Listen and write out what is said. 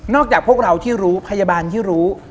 จากพวกเราที่รู้พยาบาลที่รู้